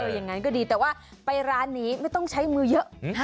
อย่างนั้นก็ดีแต่ว่าไปร้านนี้ไม่ต้องใช้มือเยอะ